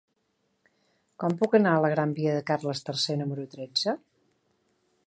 Com puc anar a la gran via de Carles III número tretze?